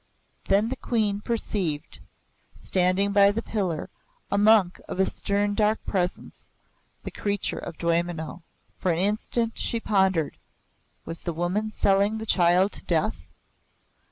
Then the Queen perceived, standing by the pillar, a monk of a stern, dark presence, the creature of Dwaymenau. For an instant she pondered. Was the woman selling the child to death?